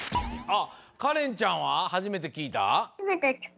あっかれんちゃんははじめてきいた？